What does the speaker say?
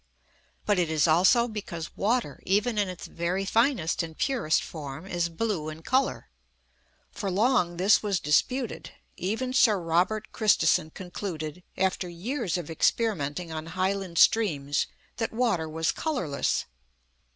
But it is also because water, even in its very finest and purest form, is blue in colour. For long this was disputed. Even Sir Robert Christison concluded, after years of experimenting on Highland streams, that water was colourless.